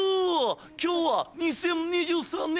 今日は２０２３年